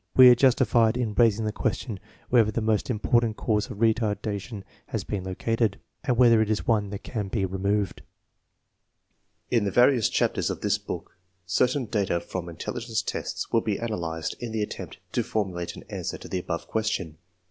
We are justified in raising the question whether the most important cause of retarda tion has been located, and whether it is one that can be removed. In the various chapters of this book certain data from intelligence tests will be analyzed in the attempt to formulate an answer to the above question.